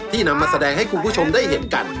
นำมาแสดงให้คุณผู้ชมได้เห็นกัน